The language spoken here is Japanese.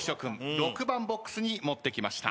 ６番ボックスに持ってきました。